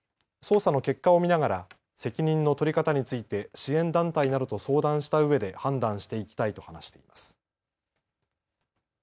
捜査の結果を見ながら責任の取り方について支援団体などと相談したうえで判断していきたいと話しています。